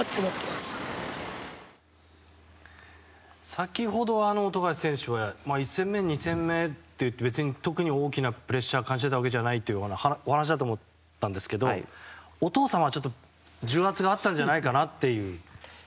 先ほど富樫選手は１戦目、２戦目特に大きなプレッシャーを感じてたわけじゃないというお話だと思ったんですけどお父様は重圧があったんじゃないかと。